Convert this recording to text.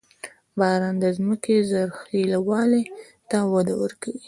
• باران د ځمکې زرخېوالي ته وده ورکوي.